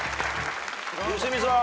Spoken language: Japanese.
良純さん。